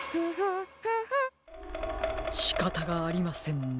しかたがありませんね。